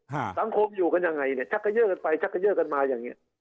สังคมอยู่กันยังไงเนี่ยชักเกย่อกันไปชักเกย่อกันมาอย่างเงี้ย